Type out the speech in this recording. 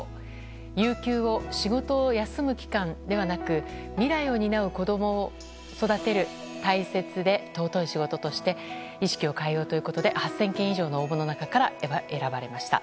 育休を、仕事を休む期間ではなく未来を担う子供を育てる大切で尊い仕事として意識を変えようということで８０００件以上の応募の中から選ばれました。